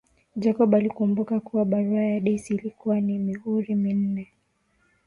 Jacob alikumbuka kuwa barua ya Daisy ilikuwa na mihuri minne